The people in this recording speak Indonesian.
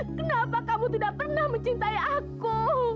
kenapa kamu tidak pernah mencintai aku